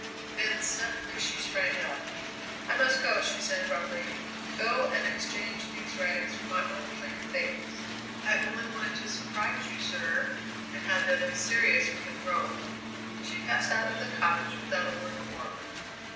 Then suddenly she sprang up. "I must go," she said abruptly; "go and exchange these rags for my own plain things. I only wanted to surprise you, sir; and how deadly serious we have grown." She passed out of the cottage without a word more.